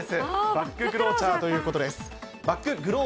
バッグクロージャ―ということです。